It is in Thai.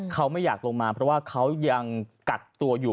เขาไม่อยากลงมาเพราะว่าเขายังกักตัวอยู่